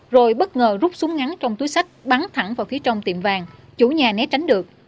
rồi bất ngờ rút súng ngắn trong túi sách bắn thẳng vào phía trong tiệm vàng chủ nhà né tránh được